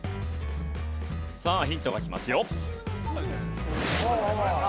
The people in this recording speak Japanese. さあヒントが来ますよ。